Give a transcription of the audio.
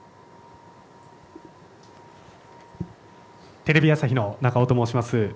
テレビ朝日の中尾と申します。